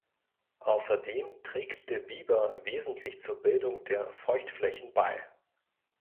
Außerdem trägt der Biber wesentlich zur Bildung der Feuchtflächen bei.